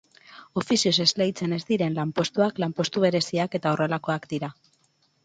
Ofizioz esleitzen ez diren lanpostuak lanpostu bereziak eta horrelakoak dira.